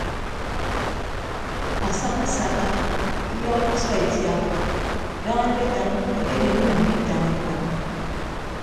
Asana asakka iyọhọke isua itiaba dana eketañ eyeyịn inyʌññọ itañ ikọ.